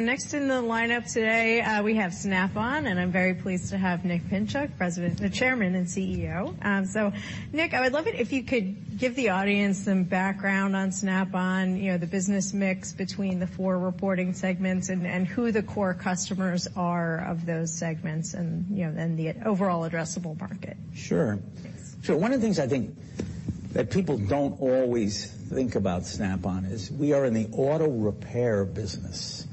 Next in the lineup today, we have Snap-on. I'm very pleased to have Nick Pinchuk, the Chairman and CEO. Nick, I would love it if you could give the audience some background on Snap-on, you know, the business mix between the four reporting segments and who the core customers are of those segments and, you know, then the overall addressable market. Sure. Thanks. One of the things I think that people don't always think about Snap-on is we are in the auto repair business,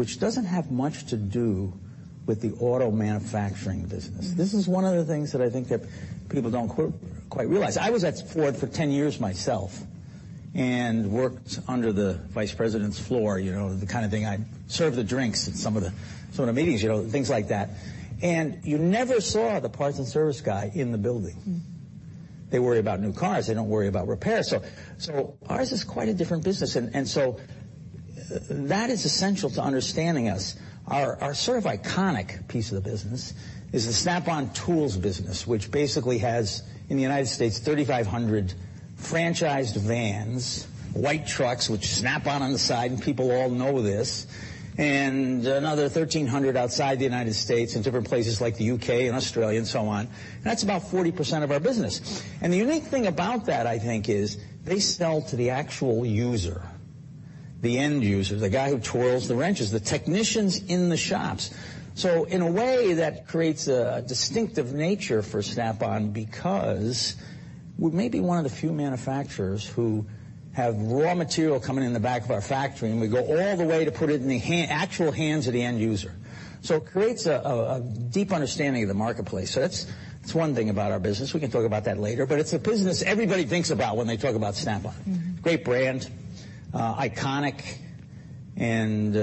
which doesn't have much to do with the auto manufacturing business. This is one of the things that I think that people don't quite realize. I was at Ford for 10 years myself and worked under the vice president's floor, you know, the kind of thing, I served the drinks at some of the meetings, you know, things like that. You never saw the parts and service guy in the building. Mm. They worry about new cars. They don't worry about repairs. Ours is quite a different business. That is essential to understanding us. Our, our sort of iconic piece of the business is the Snap-on Tools business, which basically has, in the United States, 3,500 franchised vans, white trucks, which Snap-on on the side, and people all know this, and another 1,300 outside the United States in different places like the U.K. and Australia and so on. That's about 40% of our business. The unique thing about that, I think, is they sell to the actual user, the end user, the guy who twirls the wrenches, the technicians in the shops. In a way, that creates a distinctive nature for Snap-on because we may be one of the few manufacturers who have raw material coming in the back of our factory, and we go all the way to put it in the actual hands of the end user. It creates a deep understanding of the marketplace. That's one thing about our business. We can talk about that later, but it's a business everybody thinks about when they talk about Snap-on. Mm-hmm. Great brand, iconic, and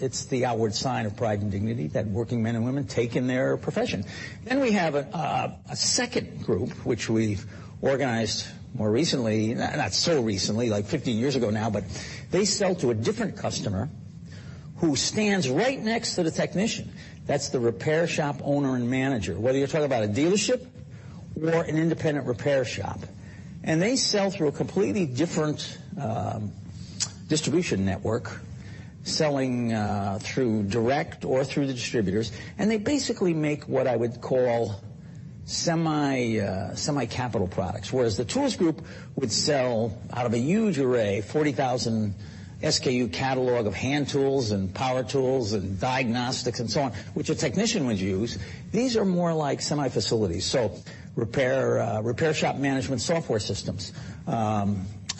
it's the outward sign of pride and dignity that working men and women take in their profession. We have a second group, which we've organized more recently, not so recently, like 15 years ago now, but they sell to a different customer who stands right next to the technician. That's the repair shop owner and manager, whether you're talking about a dealership or an independent repair shop. They sell through a completely different distribution network, selling through direct or through the distributors, and they basically make what I would call semi-capital products. Whereas the tools group would sell out of a huge array, 40,000 SKU catalog of hand tools and power tools and diagnostics and so on, which a technician would use, these are more like semi facilities. Repair shop management software systems,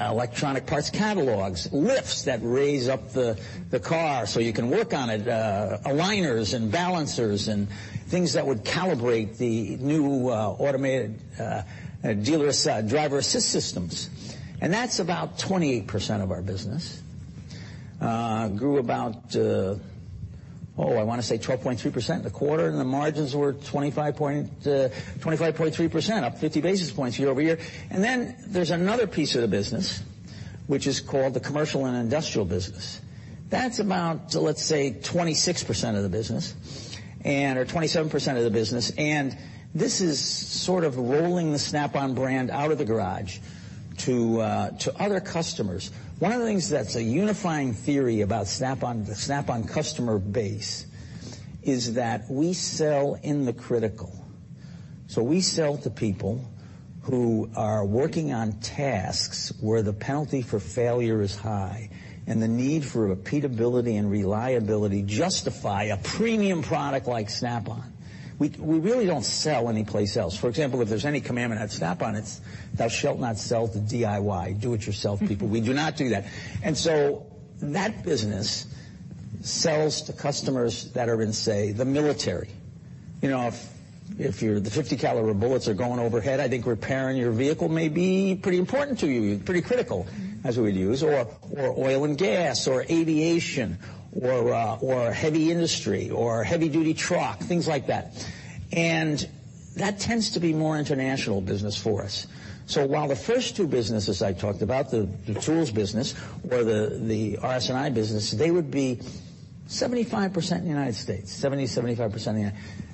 electronic parts catalogs, lifts that raise up the car so you can work on it, aligners and balancers and things that would calibrate the new automated driver assist systems. That's about 20% of our business. Grew about 12.2% in the quarter, the margins were 25.3%, up 50 basis points year-over-year. There's another piece of the business, which is called the commercial and industrial business. That's about 26% of the business or 27% of the business. This is sort of rolling the Snap-on brand out of the garage to other customers. One of the things that's a unifying theory about Snap-on, the Snap-on customer base is that we sell in the critical. We sell to people who are working on tasks where the penalty for failure is high, and the need for repeatability and reliability justify a premium product like Snap-on. We really don't sell anyplace else. For example, if there's any commandment at Snap-on, it's thou shalt not sell to DIY, do it yourself people. We do not do that. That business sells to customers that are in, say, the military. You know, if the 50 caliber bullets are going overhead, I think repairing your vehicle may be pretty important to you, pretty critical as we use. Or oil and gas or aviation or heavy industry or heavy-duty truck, things like that. That tends to be more international business for us. While the first two businesses I talked about, the tools business or the RS&I business, they would be 75% in the United States.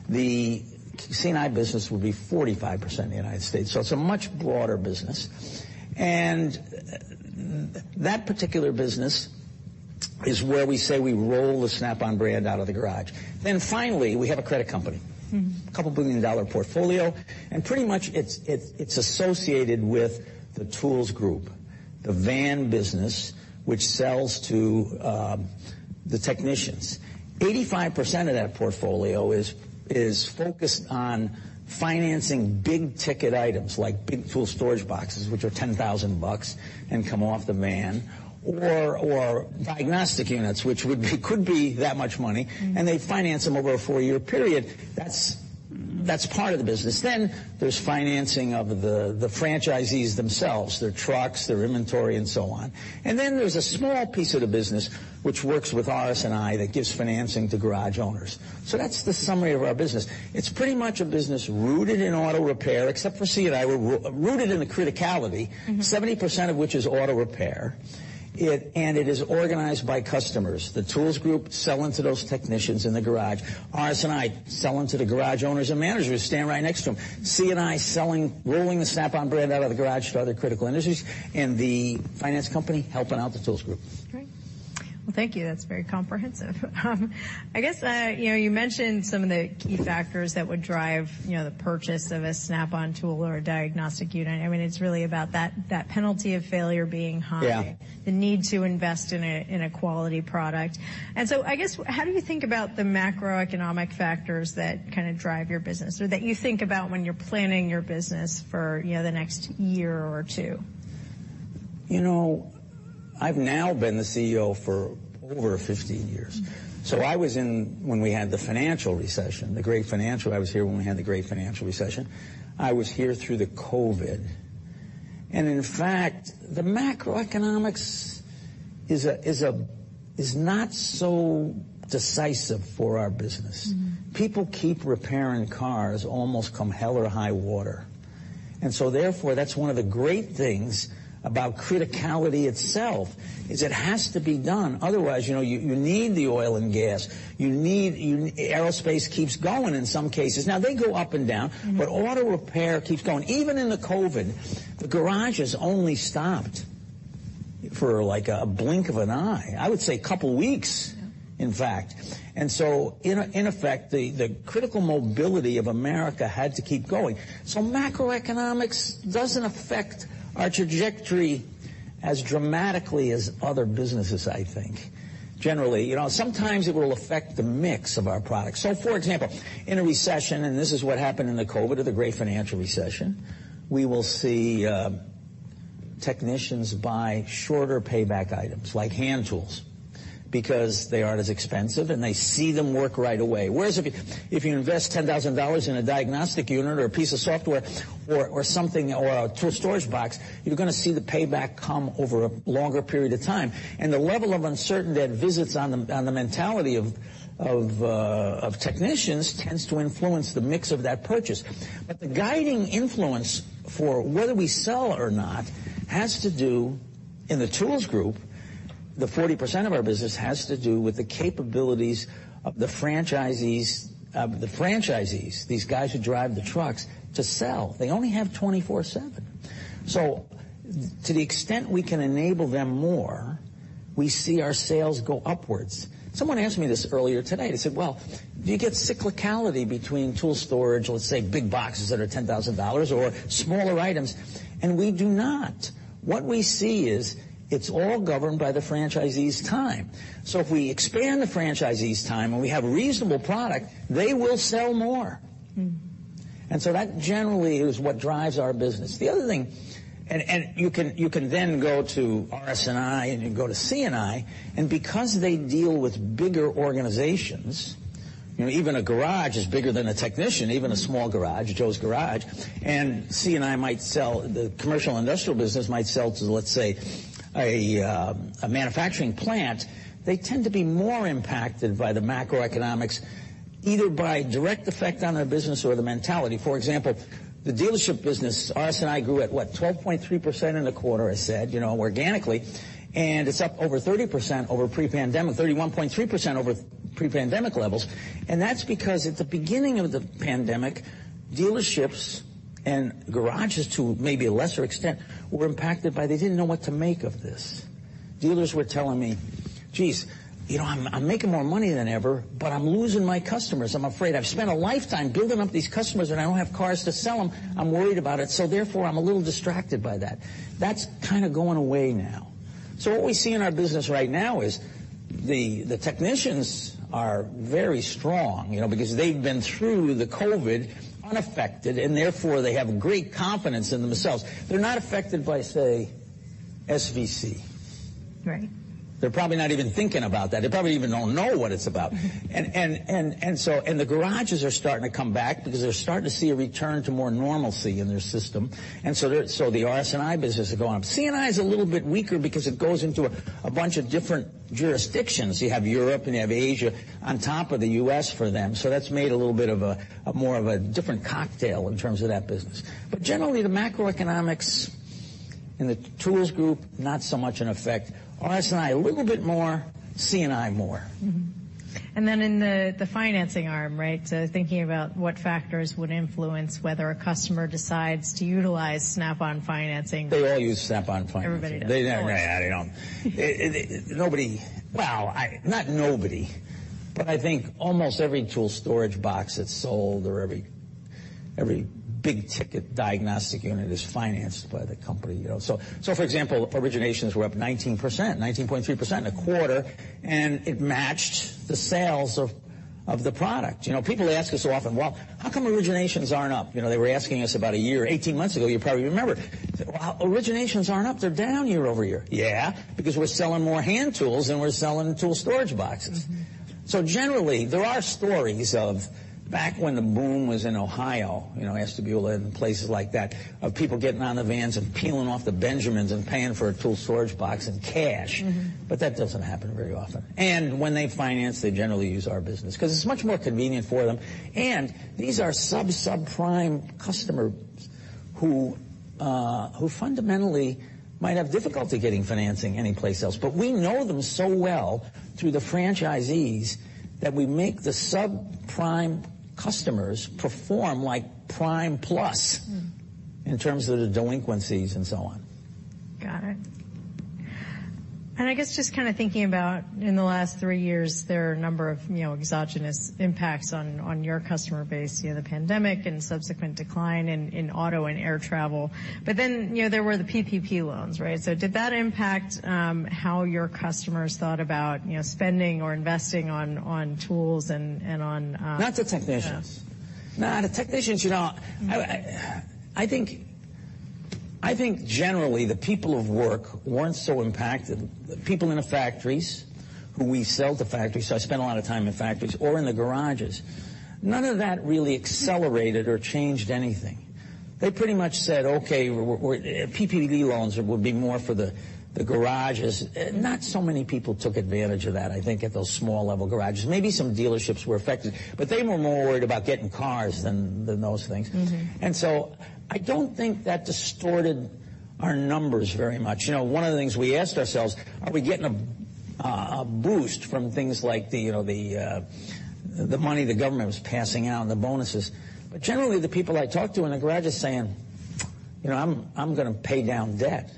The C&I business would be 45% in the United States. It's a much broader business. That particular business is where we say we roll the Snap-on brand out of the garage. Finally, we have a credit company. Mm-hmm. A couple billion dollar portfolio, pretty much it's associated with the tools group, the van business, which sells to the technicians. 85% of that portfolio is focused on financing big ticket items like big tool storage boxes, which are $10,000 and come off the van or diagnostic units, which could be that much money, and they finance them over a four year period. That's part of the business. There's financing of the franchisees themselves, their trucks, their inventory, and so on. There's a small piece of the business which works with RS&I that gives financing to garage owners. That's the summary of our business. It's pretty much a business rooted in auto repair, except for C&I. We're rooted in the criticality- Mm-hmm. 70% of which is auto repair. It is organized by customers. The tools group sell into those technicians in the garage. RS&I sell into the garage owners and managers stand right next to them. C&I selling, rolling the Snap-on brand out of the garage to other critical industries, and the finance company helping out the tools group. Great. Well, thank you. That's very comprehensive. I guess, you know, you mentioned some of the key factors that would drive, you know, the purchase of a Snap-on tool or a diagnostic unit. I mean, it's really about that penalty of failure being high. Yeah. the need to invest in a quality product. I guess, how do you think about the macroeconomic factors that kinda drive your business or that you think about when you're planning your business for, you know, the next year or two? You know, I've now been the CEO for over 15 years. Mm-hmm. I was here when we had the great financial recession. I was here through the COVID. In fact, the macroeconomics is a, is not so decisive for our business. Mm-hmm. People keep repairing cars almost come hell or high water. Therefore, that's one of the great things about criticality itself, is it has to be done. Otherwise, you know, you need the oil and gas. Aerospace keeps going in some cases. They go up and down. Mm-hmm. Auto repair keeps going. Even in the COVID, the garages only stopped for, like, a blink of an eye. I would say couple weeks. Yeah. In fact. In effect, the critical mobility of America had to keep going. Macroeconomics doesn't affect our trajectory as dramatically as other businesses, I think, generally. You know, sometimes it will affect the mix of our products. For example, in a recession, and this is what happened in the COVID or the great financial recession, we will see technicians buy shorter payback items, like hand tools, because they aren't as expensive, and they see them work right away. Whereas if you invest $10,000 in a diagnostic unit or a piece of software or something or a tool storage box, you're gonna see the payback come over a longer period of time. The level of uncertainty that visits on the mentality of technicians tends to influence the mix of that purchase. The guiding influence for whether we sell or not has to do, in the tools group, the 40% of our business has to do with the capabilities of the franchisees, these guys who drive the trucks to sell. They only have 24/7. To the extent we can enable them more, we see our sales go upwards. Someone asked me this earlier today. They said, "Well, do you get cyclicality between tool storage, let's say, big boxes that are $10,000 or smaller items?" We do not. What we see is it's all governed by the franchisee's time. If we expand the franchisee's time and we have a reasonable product, they will sell more. Mm-hmm. That generally is what drives our business. The other thing, you can then go to RS&I, and you can go to C&I, and because they deal with bigger organizations, you know, even a garage is bigger than a technician, even a small garage, Joe's Garage. C&I the commercial industrial business might sell to, let's say, a manufacturing plant. They tend to be more impacted by the macroeconomics, either by direct effect on their business or the mentality. For example, the dealership business, RS&I grew at, what, 12.3% in the quarter I said, you know, organically. It's up over 30% over pre-pandemic, 31.3% over pre-pandemic levels. That's because at the beginning of the pandemic, dealerships and garages, to maybe a lesser extent, were impacted by they didn't know what to make of this. Dealers were telling me, "Geez, you know, I'm making more money than ever, but I'm losing my customers. I'm afraid. I've spent a lifetime building up these customers, and I don't have cars to sell them. I'm worried about it, so therefore I'm a little distracted by that." That's kinda going away now. What we see in our business right now is the technicians are very strong, you know, because they've been through the COVID unaffected. Therefore they have great confidence in themselves. They're not affected by, say, SVC. Right. They're probably not even thinking about that. They probably even don't know what it's about. The garages are starting to come back because they're starting to see a return to more normalcy in their system. The RS&I business is going up. C&I is a little bit weaker because it goes into a bunch of different jurisdictions. You have Europe and you have Asia on top of the US for them, so that's made a little bit of a more of a different cocktail in terms of that business. Generally, the macroeconomics in the tools group, not so much in effect. RS&I, a little bit more. C&I, more. In the financing arm, right? Thinking about what factors would influence whether a customer decides to utilize Snap-on financing- They all use Snap-on financing. Everybody does. They don't. Not nobody, but I think almost every tool storage box that's sold or every big ticket diagnostic unit is financed by the company, you know. For example, originations were up 19%, 19.3% in a quarter, and it matched the sales of the product. People ask us so often, "How come originations aren't up?" You know, they were asking us about one year, 18 months ago, you probably remember. "How originations aren't up? They're down year-over-year." Because we're selling more hand tools than we're selling tool storage boxes. Mm-hmm. Generally, there are stories of back when the boom was in Ohio, you know, Ashtabula and places like that, of people getting on the vans and peeling off the Benjamins and paying for a tool storage box in cash. Mm-hmm. That doesn't happen very often. When they finance, they generally use our business, 'cause it's much more convenient for them, and these are sub-subprime customers who fundamentally might have difficulty getting financing anyplace else. We know them so well through the franchisees that we make the subprime customers perform like prime plus-In terms of the delinquencies and so on. Got it. I guess just kind of thinking about in the last three years, there are a number of, you know, exogenous impacts on your customer base. You know, the pandemic and subsequent decline in auto and air travel. You know, there were the PPP loans, right? Did that impact how your customers thought about, you know, spending or investing on tools and on? Not the technicians. Yeah. No, the technicians, you know, I think, I think generally the people of work weren't so impacted. People in the factories, who we sell to factories, so I spend a lot of time in factories, or in the garages, none of that really accelerated or changed anything. They pretty much said, "Okay, PPP loans would be more for the garages." Not so many people took advantage of that, I think, at those small level garages. Maybe some dealerships were affected, but they were more worried about getting cars than those things. Mm-hmm. I don't think that distorted our numbers very much. You know, one of the things we asked ourselves, are we getting a boost from things like the, you know, the money the government was passing out and the bonuses? Generally the people I talk to in the garage are saying, you know, "I'm gonna pay down debt."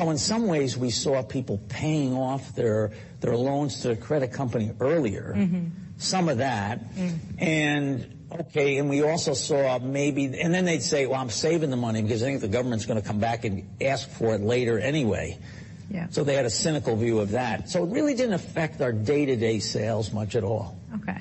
In some ways we saw people paying off their loans to the credit company earlier. Mm-hmm. Some of that. Mm. Okay, and we also saw. They'd say, "Well, I'm saving the money because I think the government's gonna come back and ask for it later anyway. Yeah. They had a cynical view of that. It really didn't affect our day-to-day sales much at all. Okay.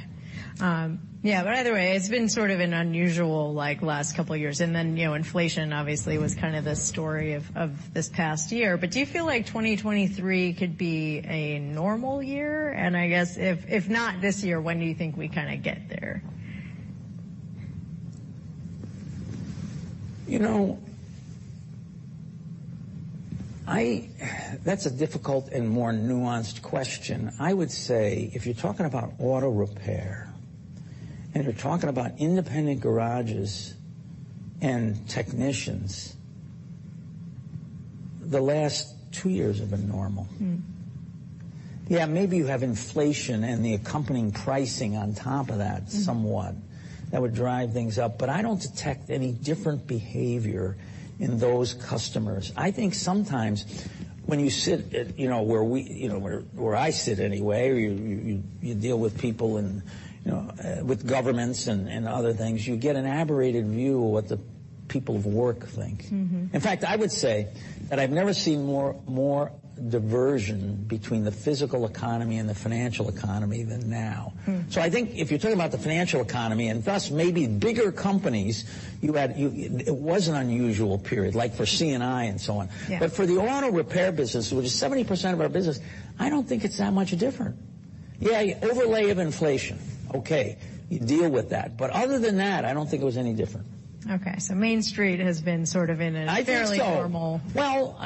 Yeah, but either way, it's been sort of an unusual, like, last couple years. Then, you know, inflation obviously was kind of the story of this past year. Do you feel like 2023 could be a normal year? I guess if not this year, when do you think we kinda get there? You know, that's a difficult and more nuanced question. I would say if you're talking about auto repair, and you're talking about independent garages and technicians, the last two years have been normal. Mm. Yeah, maybe you have inflation and the accompanying pricing on top of that. Mm ...somewhat that would drive things up, but I don't detect any different behavior in those customers. I think sometimes when you sit at, you know, where we, you know, where I sit anyway, where you deal with people and, you know, with governments and other things, you get an aberrated view of what the people of work think. Mm-hmm. In fact, I would say that I've never seen more diversion between the physical economy and the financial economy than now. Mm. I think if you're talking about the financial economy, and thus maybe bigger companies, it was an unusual period, like for C&I and so on. Yeah. For the auto repair business, which is 70% of our business, I don't think it's that much different. Yeah, overlay of inflation. Okay, you deal with that. Other than that, I don't think it was any different. Okay. Main Street has been sort of. I think so. ...fairly normal- Well,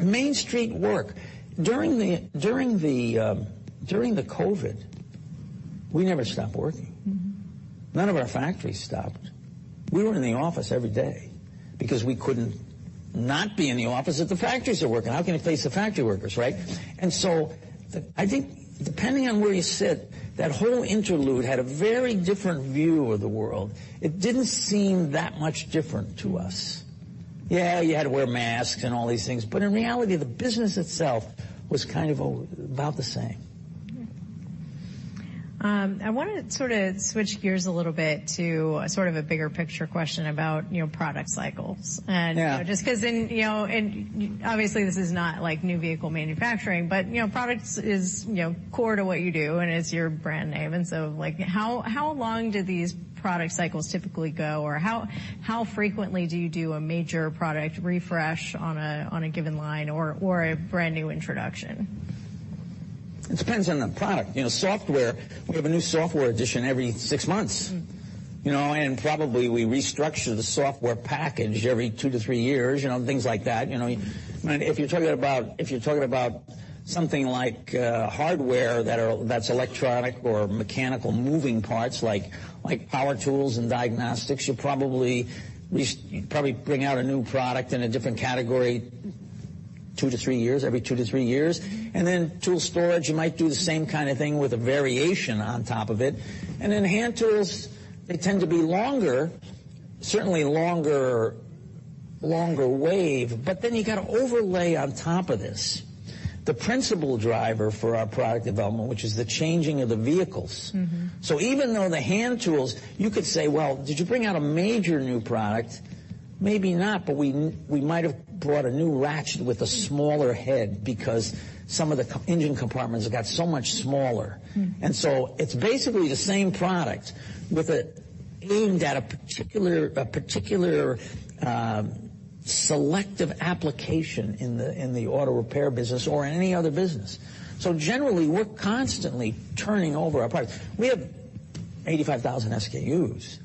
Main Street work. During the COVID, we never stopped working. Mm-hmm. None of our factories stopped. We were in the office every day because we couldn't not be in the office if the factories are working. How can you face the factory workers, right? I think depending on where you sit, that whole interlude had a very different view of the world. It didn't seem that much different to us. Yeah, you had to wear masks and all these things, but in reality, the business itself was kind of about the same. I wanna sort of switch gears a little bit to sort of a bigger picture question about, you know, product cycles. Yeah ...just 'cause in, you know, and obviously this is not like new vehicle manufacturing, but, you know, products is, you know, core to what you do, and it's your brand name, and so, like how long do these product cycles typically go, or how frequently do you do a major product refresh on a, on a given line or a brand-new introduction? It depends on the product. You know, software, we have a new software edition every six months. Mm. You know, probably we restructure the software package every two-three years, you know, things like that, you know. If you're talking about something like hardware that's electronic or mechanical moving parts, like power tools and diagnostics, you probably bring out a new product in a different category two-three years. Mm-hmm. Tool storage, you might do the same kind of thing with a variation on top of it. Hand tools, they tend to be longer, certainly longer wave. You gotta overlay on top of this the principal driver for our product development, which is the changing of the vehicles. Mm-hmm. Even though the hand tools, you could say, well, did you bring out a major new product? Maybe not, but we might have brought a new ratchet with a smaller head because some of the engine compartments have got so much smaller. Mm. It's basically the same product aimed at a particular, a particular selective application in the auto repair business or in any other business. Generally, we're constantly turning over our products. We have 85,000 SKUs.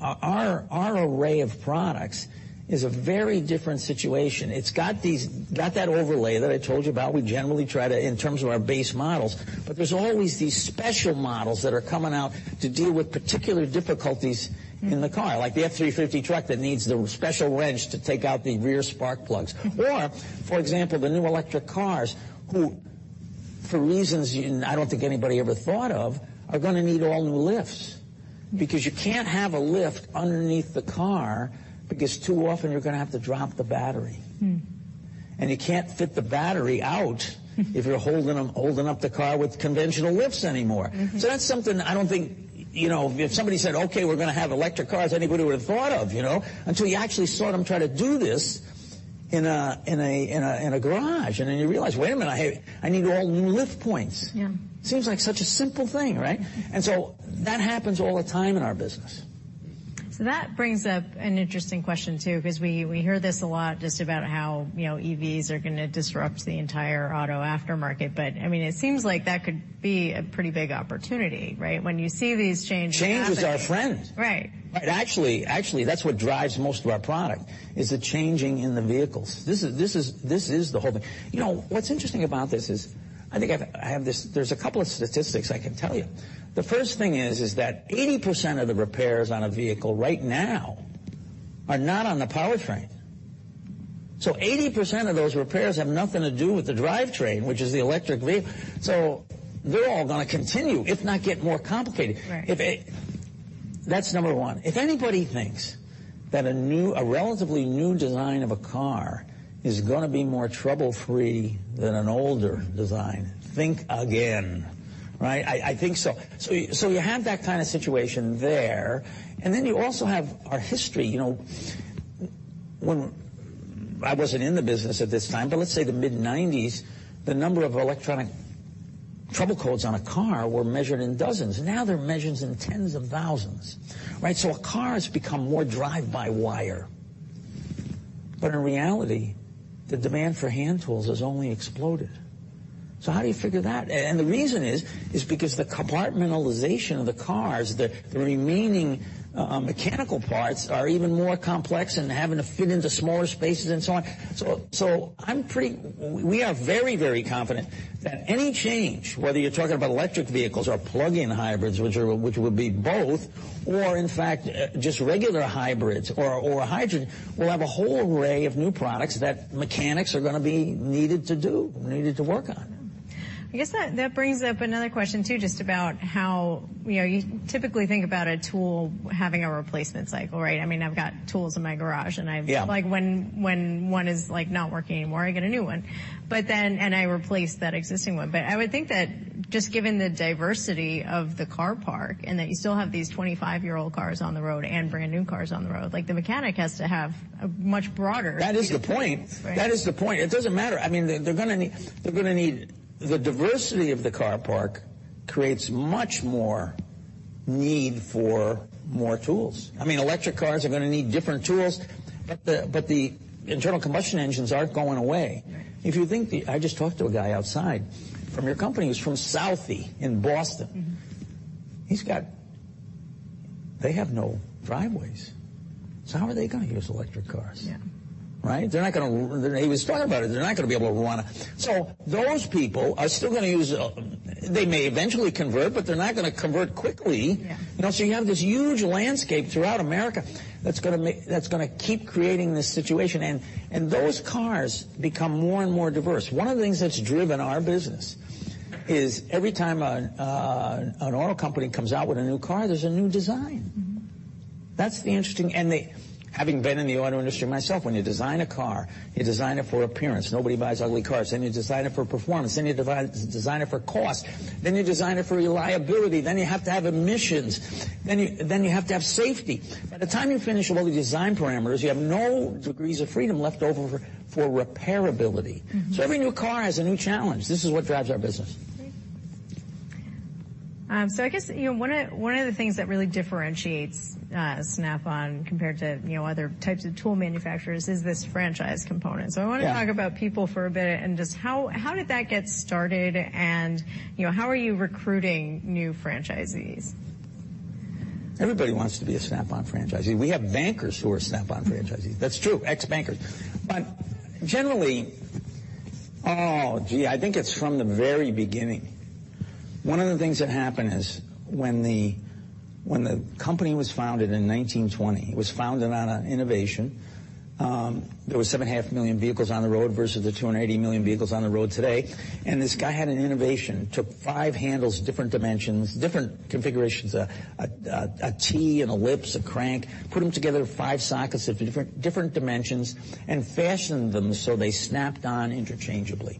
Our array of products is a very different situation. It's got these, got that overlay that I told you about. We generally try to, in terms of our base models. There's always these special models that are coming out to deal with particular difficulties in the car, like the F-350 truck that needs the special wrench to take out the rear spark plugs. Mm. For example, the new electric cars For reasons, you know, I don't think anybody ever thought of, are gonna need all new lifts. Because you can't have a lift underneath the car because too often you're gonna have to drop the battery. Mm. You can't fit the battery if you're holding up the car with conventional lifts anymore. Mm-hmm. That's something I don't think. You know, if somebody said, "Okay, we're gonna have electric cars," anybody would have thought of, you know. Until you actually saw them try to do this in a garage, and then you realize, "Wait a minute, I need all new lift points. Yeah. Seems like such a simple thing, right? That happens all the time in our business. That brings up an interesting question too, because we hear this a lot just about how, you know, EVs are gonna disrupt the entire auto aftermarket. I mean, it seems like that could be a pretty big opportunity, right? When you see these changes happening... Change is our friend. Right. Actually that's what drives most of our product, is the changing in the vehicles. This is the whole thing. You know, what's interesting about this is, I have this. There's a couple of statistics I can tell you. The first thing is that 80% of the repairs on a vehicle right now are not on the powertrain. 80% of those repairs have nothing to do with the drivetrain, which is the electric vehicle. They're all gonna continue, if not get more complicated. Right. That's number one. If anybody thinks that a new, a relatively new design of a car is gonna be more trouble-free than an older design, think again, right. I think so. You have that kind of situation there, and then you also have our history. You know, I wasn't in the business at this time, but let's say the mid-1990s, the number of electronic trouble codes on a car were measured in dozens. Now they're measured in tens of thousands, right. A car has become more drive-by-wire. In reality, the demand for hand tools has only exploded. How do you figure that? And the reason is because the compartmentalization of the cars, the remaining mechanical parts are even more complex and having to fit into smaller spaces and so on. I'm pretty... We are very, very confident that any change, whether you're talking about electric vehicles or plug-in hybrids, which are, which would be both, or in fact, just regular hybrids or hydrogen, we'll have a whole array of new products that mechanics are gonna be needed to do, needed to work on. I guess that brings up another question too just about how. You know, you typically think about a tool having a replacement cycle, right? I mean, I've got tools in my garage. Yeah. Like, when one is, like, not working anymore, I get a new one. I replace that existing one. I would think that just given the diversity of the car park, and that you still have these 25-year-old cars on the road and brand-new cars on the road, like, the mechanic has to have a much broader view of this, right? That is the point. That is the point. It doesn't matter. I mean, they're gonna need... The diversity of the car park creates much more need for more tools. I mean, electric cars are gonna need different tools, but the internal combustion engines aren't going away. Right. I just talked to a guy outside from your company, who's from Southie in Boston. Mm-hmm. They have no driveways. How are they gonna use electric cars? Yeah. Right? They're not gonna. He was talking about it. They're not gonna be able to wanna. Those people are still gonna use. They may eventually convert, but they're not gonna convert quickly. Yeah. You know, you have this huge landscape throughout America that's gonna keep creating this situation. Those cars become more and more diverse. One of the things that's driven our business is every time an auto company comes out with a new car, there's a new design. Mm-hmm. Having been in the auto industry myself, when you design a car, you design it for appearance. Nobody buys ugly cars. You design it for performance. You design it for cost. You design it for reliability. You have to have emissions. You have to have safety. By the time you finish with all the design parameters, you have no degrees of freedom left over for repairability. Mm-hmm. Every new car has a new challenge. This is what drives our business. Great. I guess, you know, one of the things that really differentiates, Snap-on compared to, you know, other types of tool manufacturers is this franchise component. Yeah. I wanna talk about people for a bit and just how did that get started and, you know, how are you recruiting new franchisees? Everybody wants to be a Snap-on franchisee. We have bankers who are Snap-on franchisees. That's true, ex-bankers. Generally, I think it's from the very beginning. One of the things that happened is, when the company was founded in 1920, it was founded on innovation. There was 7.5 million vehicles on the road versus the 280 million vehicles on the road today. This guy had an innovation. Took five handles, different dimensions, different configurations, a T and a whips, a crank, put them together, five sockets of different dimensions, and fashioned them so they snapped on interchangeably.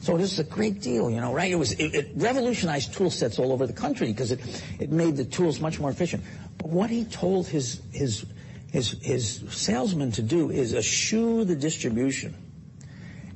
This is a great deal, you know. Right? It revolutionized tool sets all over the country because it made the tools much more efficient. What he told his salesmen to do is eschew the distribution,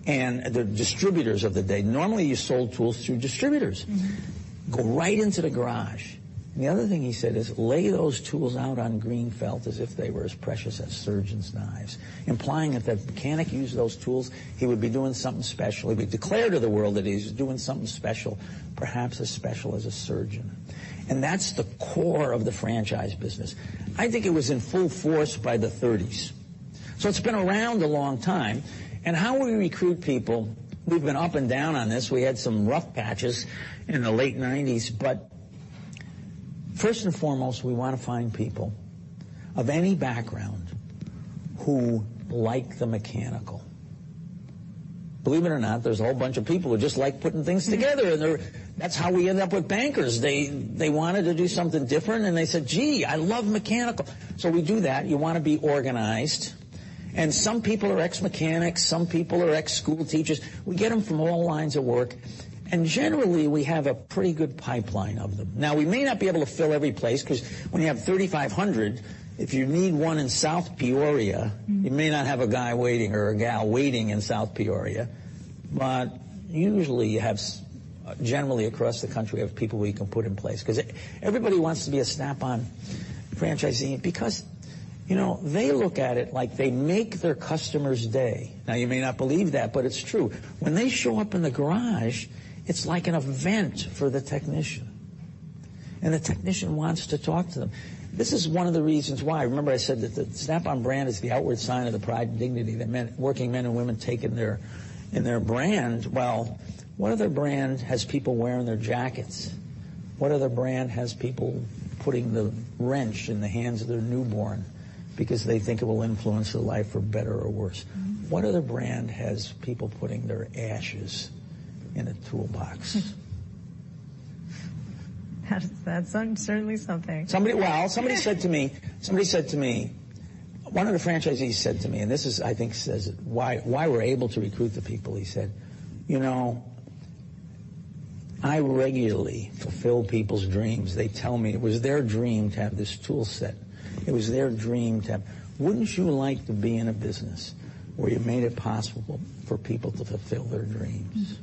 and the distributors of the day. Normally, you sold tools through distributors. Mm-hmm. Go right into the garage. The other thing he said is, "Lay those tools out on green felt as if they were as precious as surgeons' knives," implying if that mechanic used those tools, he would be doing something special. He would declare to the world that he's doing something special, perhaps as special as a surgeon. That's the core of the franchise business. I think it was in full force by the 30s. It's been around a long time. How we recruit people, we've been up and down on this. We had some rough patches in the late nineties. First and foremost, we wanna find people of any background who like the mechanical. Believe it or not, there's a whole bunch of people who just like putting things together, and That's how we end up with bankers. They wanted to do something different, and they said, "Gee, I love mechanical." We do that. You wanna be organized. Some people are ex-mechanics, some people are ex-school teachers. We get them from all lines of work, and generally, we have a pretty good pipeline of them. Now, we may not be able to fill every place 'cause when you have 3,500, if you need one in South Peoria. Mm-hmm. You may not have a guy waiting or a gal waiting in South Peoria. Usually you have, generally across the country, we have people we can put in place. Because everybody wants to be a Snap-on franchisee because, you know, they look at it like they make their customer's day. You may not believe that, but it's true. When they show up in the garage, it's like an event for the technician, and the technician wants to talk to them. This is one of the reasons why. Remember I said that the Snap-on brand is the outward sign of the pride and dignity that men, working men and women take in their brand. What other brand has people wearing their jackets? What other brand has people putting the wrench in the hands of their newborn because they think it will influence their life for better or worse? Mm-hmm. What other brand has people putting their ashes in a toolbox? That's certainly something. Well, somebody said to me, One of the franchisees said to me. This is, I think, says why we're able to recruit the people. He said, "You know, I regularly fulfill people's dreams. They tell me it was their dream to have this tool set. It was their dream to have..." Wouldn't you like to be in a business where you made it possible for people to fulfill their dreams?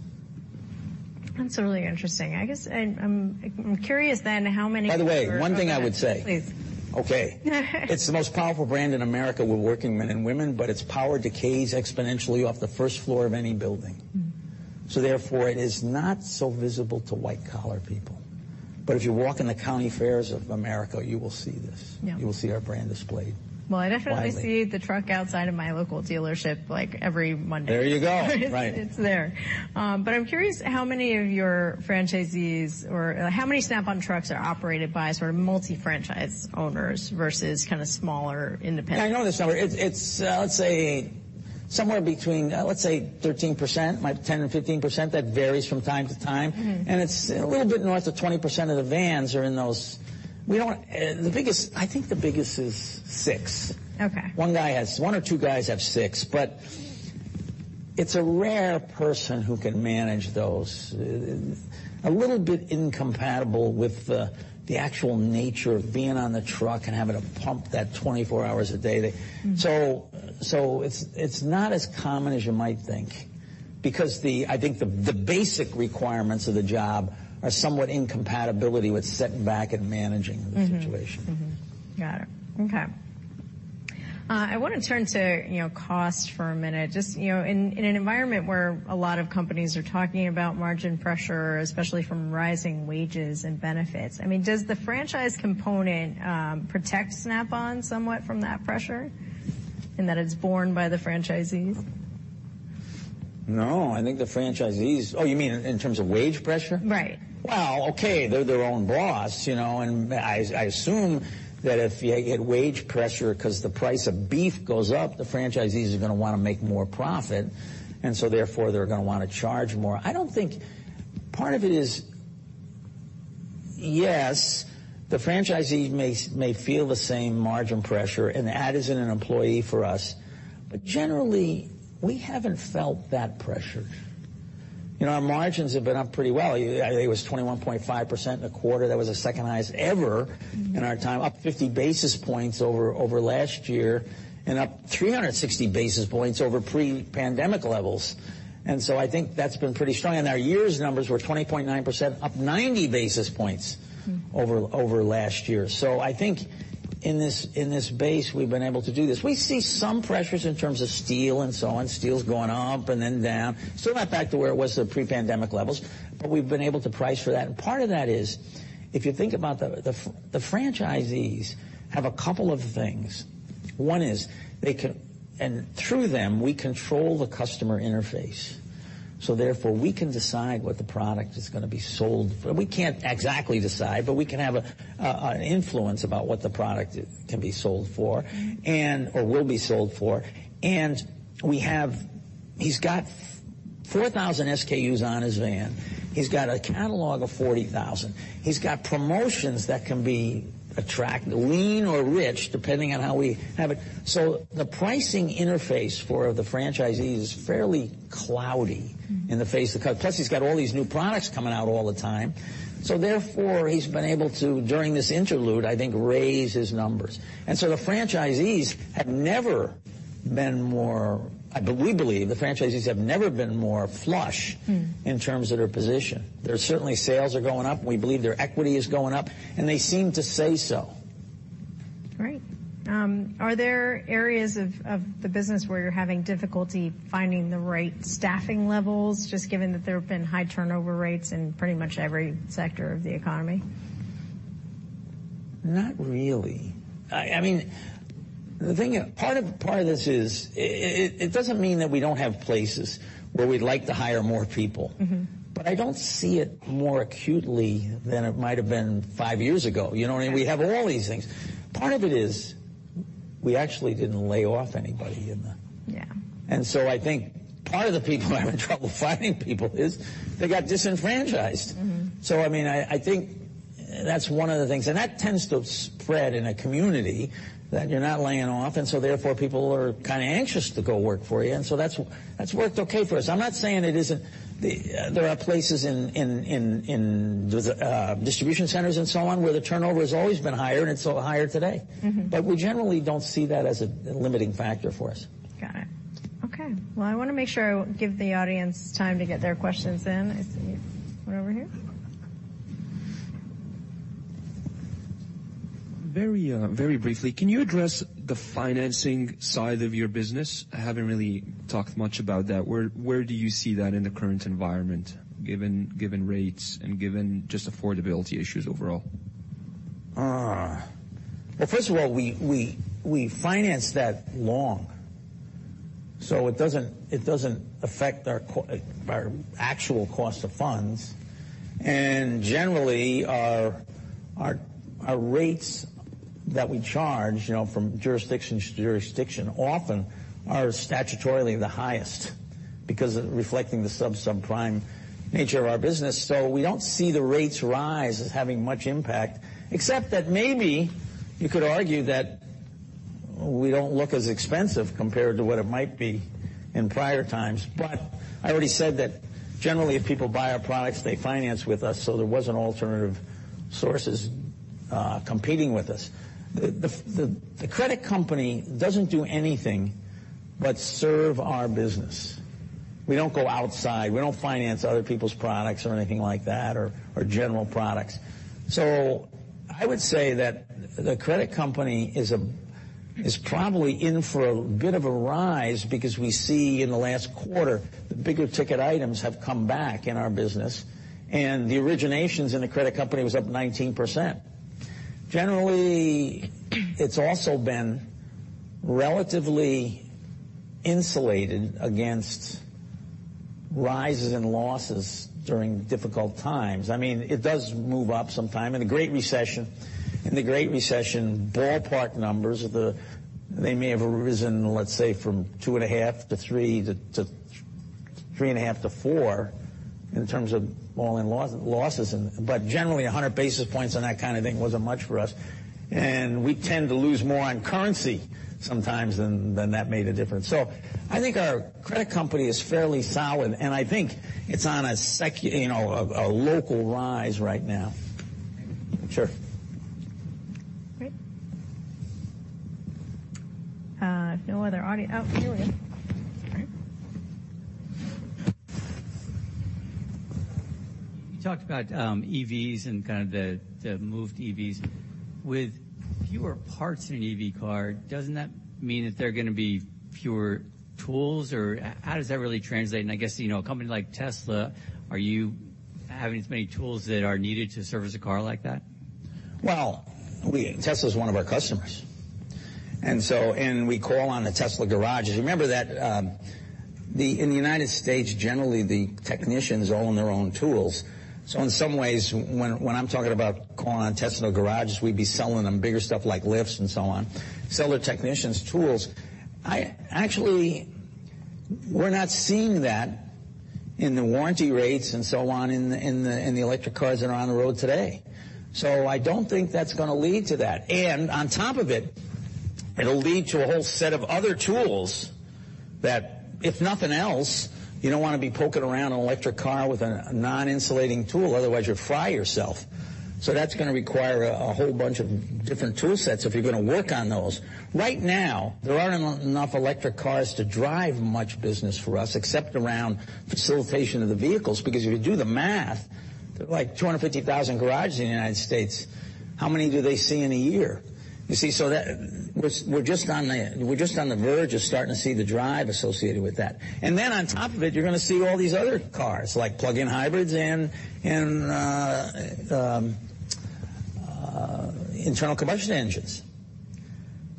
That's really interesting. I guess I'm curious then how many of your-. By the way, one thing I would say. Please. Okay. It's the most powerful brand in America with working men and women. Its power decays exponentially off the first floor of any building. Mm-hmm. Therefore, it is not so visible to white-collar people. If you walk in the county fairs of America, you will see this. Yeah. You will see our brand displayed. Well, I definitely see- Widely. -the truck outside of my local dealership, like, every Monday. There you go. Right. It's there. I'm curious how many of your franchisees or how many Snap-on trucks are operated by sort of multi-franchise owners versus kinda smaller independents. I know this number. It's, let's say somewhere between, let's say 13%, like, 10% and 15%. That varies from time to time. Mm-hmm. It's a little bit north of 20% of the vans are in those. I think the biggest is six. Okay. One or two guys have six, but it's a rare person who can manage those. A little bit incompatible with the actual nature of being on the truck and having to pump that 24 hours a day thing. Mm-hmm. it's not as common as you might think because I think the basic requirements of the job are somewhat incompatibility with sitting back and managing- Mm-hmm. the situation. Got it. Okay. I wanna turn to, you know, cost for a minute. Just, you know, in an environment where a lot of companies are talking about margin pressure, especially from rising wages and benefits. I mean, does the franchise component protect Snap-on somewhat from that pressure, in that it's borne by the franchisees? No. I think the franchisees... Oh, you mean in terms of wage pressure? Right. Well, okay, they're their own boss, you know, I assume that if you get wage pressure 'cause the price of beef goes up, the franchisees are gonna wanna make more profit. Therefore, they're gonna wanna charge more. I don't think. Part of it is, yes, the franchisee may feel the same margin pressure. That isn't an employee for us. Generally, we haven't felt that pressure. You know, our margins have been up pretty well. I think it was 21.5% in a quarter. That was the second highest ever in our time. Up 50 basis points over last year, up 360 basis points over pre-pandemic levels. I think that's been pretty strong. Our year's numbers were 20.9%, up 90 basis points over last year. I think in this base, we've been able to do this. We see some pressures in terms of steel and so on. Steel's gone up and then down. Still not back to where it was at pre-pandemic levels, but we've been able to price for that. Part of that is, if you think about the franchisees have a couple of things. One is through them, we control the customer interface, so therefore, we can decide what the product is gonna be sold. We can't exactly decide, but we can have an influence about what the product can be sold for. Mm-hmm. Will be sold for. He's got 4,000 SKUs on his van. He's got a catalog of 40,000. He's got promotions that can be lean or rich, depending on how we have it. The pricing interface for the franchisee is fairly cloudy in the face of. Plus, he's got all these new products coming out all the time. Therefore, he's been able to, during this interlude, I think, raise his numbers. We believe the franchisees have never been more flush. Mm. In terms of their position. Their certainly sales are going up. We believe their equity is going up, and they seem to say so. Right. are there areas of the business where you're having difficulty finding the right staffing levels, just given that there have been high turnover rates in pretty much every sector of the economy? Not really. I mean, the thing is, part of this is it doesn't mean that we don't have places where we'd like to hire more people. Mm-hmm. I don't see it more acutely than it might have been five years ago. You know what I mean? We have all these things. Part of it is we actually didn't lay off anybody in the... Yeah. I think part of the people are having trouble finding people is they got disenfranchised. Mm-hmm. I mean, I think that's one of the things. That tends to spread in a community that you're not laying off, and so therefore, people are kinda anxious to go work for you. That's worked okay for us. I'm not saying it isn't. There are places in the distribution centers and so on, where the turnover has always been higher, and it's still higher today. Mm-hmm. We generally don't see that as a limiting factor for us. Got it. Okay. Well, I wanna make sure I give the audience time to get their questions in. I see one over here. Very, very briefly, can you address the financing side of your business? I haven't really talked much about that. Where do you see that in the current environment, given rates, and given just affordability issues overall? Well, first of all, we finance that long. It doesn't, it doesn't affect our actual cost of funds. Generally, our rates that we charge, you know, from jurisdiction to jurisdiction often are statutorily the highest because reflecting the subprime nature of our business. We don't see the rates rise as having much impact, except that maybe you could argue that we don't look as expensive compared to what it might be in prior times. I already said that generally if people buy our products, they finance with us, so there wasn't alternative sources, competing with us. The credit company doesn't do anything but serve our business. We don't go outside. We don't finance other people's products or anything like that or general products. I would say that the credit company is probably in for a bit of a rise because we see in the last quarter, the bigger ticket items have come back in our business, and the originations in the credit company was up 19%. Generally, it's also been relatively insulated against rises and losses during difficult times. I mean, it does move up sometime. In the Great Recession, ballpark numbers they may have risen, let's say, from $2.5-$3 to $3.5-$4 in terms of all-in loss, but generally 100 basis points on that kind of thing wasn't much for us. We tend to lose more on currency sometimes than that made a difference. I think our credit company is fairly solid, and I think it's on you know, a local rise right now. Sure. Great. oh, here we go. Great. You talked about EVs and kind of the move to EVs. With fewer parts in an EV car, doesn't that mean that there are gonna be fewer tools? How does that really translate? I guess, you know, a company like Tesla, are you having as many tools that are needed to service a car like that? Well, Tesla is one of our customers. We call on the Tesla garages. Remember that, in the United States, generally, the technicians own their own tools. In some ways, when I'm talking about calling on Tesla garages, we'd be selling them bigger stuff like lifts and so on. Seller technicians tools. Actually, we're not seeing that in the warranty rates and so on in the electric cars that are on the road today. I don't think that's gonna lead to that. On top of it'll lead to a whole set of other tools that, if nothing else, you don't wanna be poking around an electric car with a non-insulating tool, otherwise you'll fry yourself. That's gonna require a whole bunch of different tool sets if you're gonna work on those. Right now, there aren't enough electric cars to drive much business for us except around facilitation of the vehicles, because if you do the math, like 250,000 garages in the United States, how many do they see in a year? You see, that we're just on the verge of starting to see the drive associated with that. On top of it, you're gonna see all these other cars, like plug-in hybrids and internal combustion engines.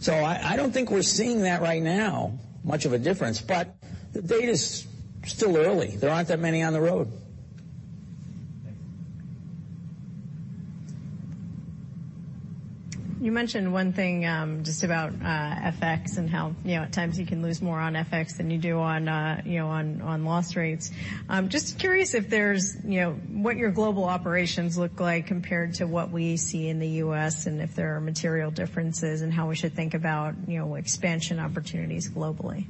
I don't think we're seeing that right now, much of a difference, but the date is still early. There aren't that many on the road. Thanks. You mentioned one thing, just about FX and how, you know, at times you can lose more on FX than you do on, you know, on loss rates. Just curious if there's, you know, what your global operations look like compared to what we see in the U.S., and if there are material differences and how we should think about, you know, expansion opportunities globally?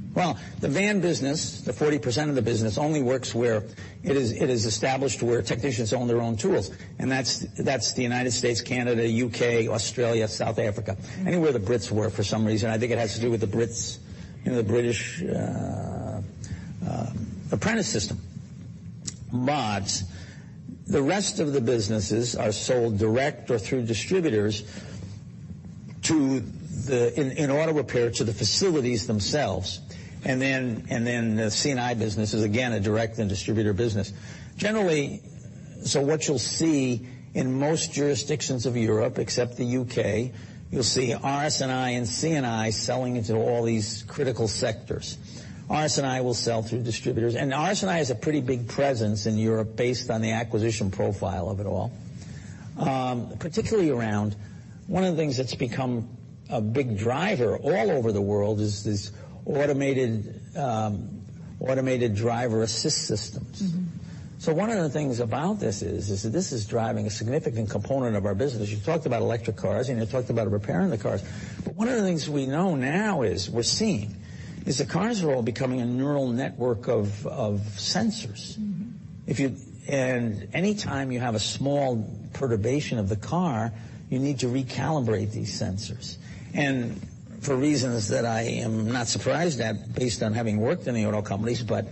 The van business, the 40% of the business, only works where it is established where technicians own their own tools. That's the United States, Canada, U.K., Australia, South Africa. Anywhere the Brits were for some reason. I think it has to do with the Brits, you know, the British apprentice system. The rest of the businesses are sold direct or through distributors to the in auto repair to the facilities themselves. The C&I business is again, a direct and distributor business. What you'll see in most jurisdictions of Europe, except the U.K., you'll see RS and I and C&I selling into all these critical sectors. RS and I will sell through distributors. RS and I has a pretty big presence in Europe based on the acquisition profile of it all. Particularly around one of the things that's become a big driver all over the world is this Automated Driver Assist Systems. Mm-hmm. One of the things about this is that this is driving a significant component of our business. You talked about electric cars. You talked about repairing the cars. One of the things we know now is we're seeing is the cars are all becoming a neural network of sensors. Mm-hmm. Anytime you have a small perturbation of the car, you need to recalibrate these sensors. For reasons that I am not surprised at, based on having worked in the auto companies, but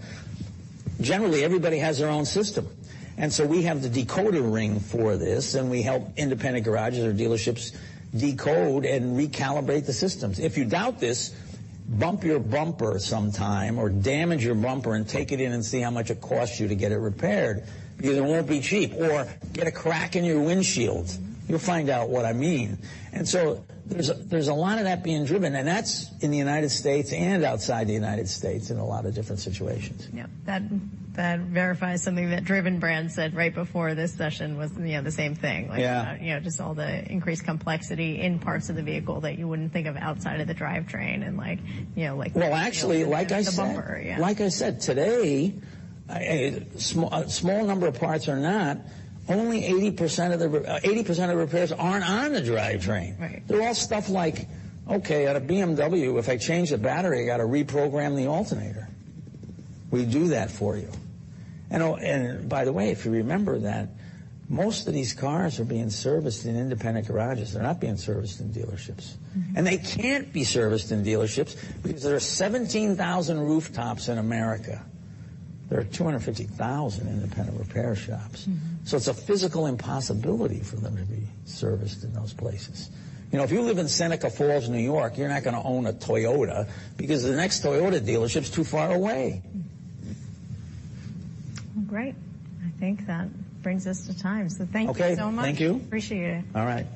generally everybody has their own system. We have the decoder ring for this, and we help independent garages or dealerships decode and recalibrate the systems. If you doubt this, bump your bumper sometime or damage your bumper and take it in and see how much it costs you to get it repaired, because it won't be cheap. Or get a crack in your windshield. You'll find out what I mean. So there's a lot of that being driven, and that's in the United States and outside the United States in a lot of different situations. Yeah. That verifies something that Driven Brands said right before this session was, you know, the same thing. Yeah. Like, you know, just all the increased complexity in parts of the vehicle that you wouldn't think of outside of the drivetrain and like, you know. Well, actually, like I said- The bumper. Yeah. Like I said, today, a small number of parts or not, only 80% of repairs aren't on the drivetrain. Right. They're all stuff like, okay, at a BMW, if I change the battery, I gotta reprogram the alternator. We do that for you. By the way, if you remember that most of these cars are being serviced in independent garages. They're not being serviced in dealerships. Mm-hmm. They can't be serviced in dealerships because there are 17,000 rooftops in America. There are 250,000 independent repair shops. Mm-hmm. It's a physical impossibility for them to be serviced in those places. You know, if you live in Seneca Falls, New York, you're not gonna own a Toyota because the next Toyota dealership's too far away. Great. I think that brings us to time. Thank you so much. Okay. Thank you. Appreciate it. All right.